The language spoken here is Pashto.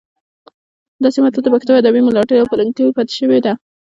دا سیمه تل د پښتو ادب ملاتړې او پالونکې پاتې شوې ده